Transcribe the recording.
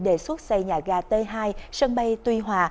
đề xuất xây nhà ga t hai sân bay tuy hòa